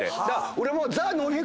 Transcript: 俺も。